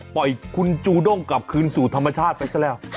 ปล่อยคุณจูด้งกลับคืนสู่ธรรมชาติไปซะแล้ว